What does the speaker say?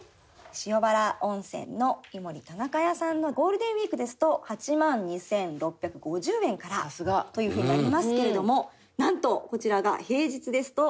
塩原温泉の湯守田中屋さんのゴールデンウィークですと８万２６５０円からというふうになりますけれどもなんとこちらが平日ですとジャン！